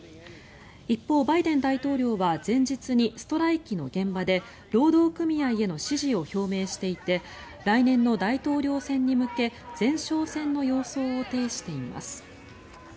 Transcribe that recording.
一方、バイデン大統領は前日にストライキの現場で労働組合への支持を表明していて来年の大統領選に向け前哨戦の様相を呈しています。